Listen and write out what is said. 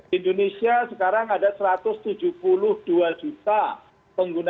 di indonesia sekarang ada satu ratus tujuh puluh dua juta pengguna